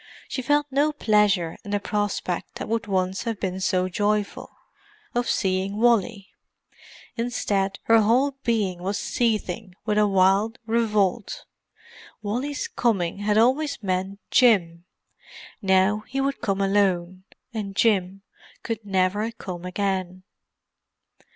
She felt no pleasure in the prospect that would once have been so joyful, of seeing Wally. Instead her whole being was seething with a wild revolt. Wally's coming had always meant Jim. Now he would come alone, and Jim could never come again.